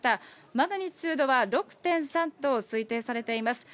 マグニチュードは６．３と推定されています。